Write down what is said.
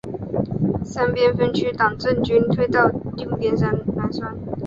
三边分区党政军退到定边南山。